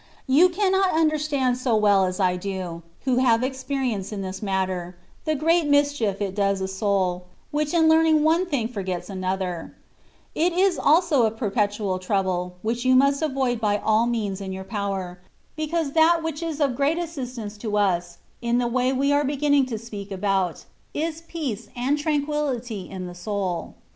You cannot understand so well as I do — ^who have experience in this matter — ^the great mischief it does a soul, which in learning one thing forgets another. It is also a perpetual trouble, which you must avoid by all means in your power, because *'' Que no sabe Algarabiay" &c. THB WAY OF PERFECTION. 103 tliat wliich is of great assistance to us^ in the way we are beginning to speak about^ is peace and tranquillity in the soul.